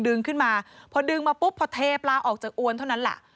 ดึงขึ้นมาพอดึงมาปุ๊บพอเทปลาออกจากอวนเท่านั้นแหละ